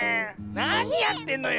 なにやってんのよ！